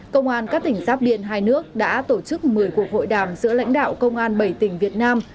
công an các tỉnh giáp biên hai nước đã tổ chức một mươi cuộc hội đàm giữa lãnh đạo công an bảy tỉnh việt nam